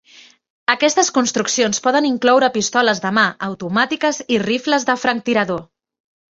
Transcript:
Aquestes construccions poden incloure pistoles de mà, automàtiques i rifles de franctirador.